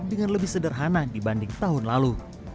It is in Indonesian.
dengan lebih sederhana dibanding tahun lalu